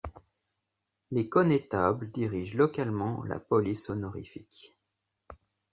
Les connétables dirigent localement la police honorifique.